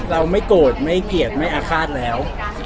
เราไม่โกรธไม่เกลียดไม่อาฆาตแล้ว